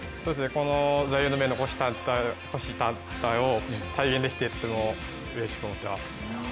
この座右の銘の虎視眈々を体現できてうれしく思っています。